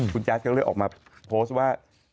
คุณแจ๊ดก็เลยออกมาโพสต์ว่า